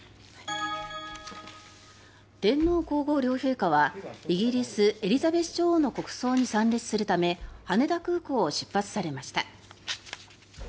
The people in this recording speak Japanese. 天皇・皇后両陛下はイギリス、エリザベス女王の国葬に参列するため羽田空港を出発されました。